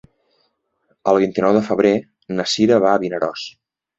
El vint-i-nou de febrer na Sira va a Vinaròs.